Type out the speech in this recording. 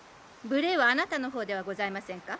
無礼はあなたの方ではございませんか？